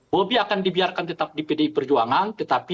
bobi akan dibiarkan tetap di pdi perjuangan